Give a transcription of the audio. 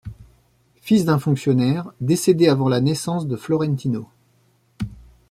Fils d'un fonctionnaire, décédé avant la naissance de Florentino.